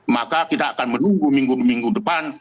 maka kita akan menunggu minggu minggu depan